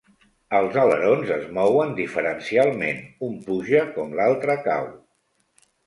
Els alerons es mouen diferencialment-un puja com l'altre cau.